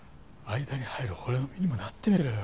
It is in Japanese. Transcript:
間に入る俺の身にもなってみろよ。